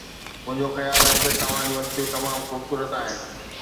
منهنجو خيال آهي ته توهان جون اکيون تمام خوبصورت آهن.